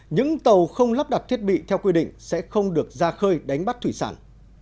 những tàu không lắp đặt thiết bị theo quy định sẽ không được ra khơi đánh bắt thủy sản